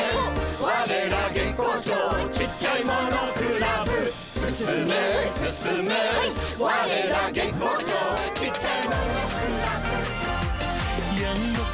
「われらげっこうちょうちっちゃいものクラブ」「すすめすすめ」「われらげっこうちょうちっちゃいものクラブ」